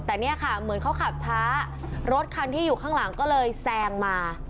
แต่เนี่ยค่ะเหมือนเขาขับช้ารถคันที่อยู่ข้างหลังก็เลยแซงมา